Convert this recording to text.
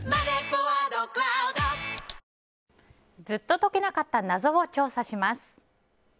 ずっと解けなかった謎を調査します。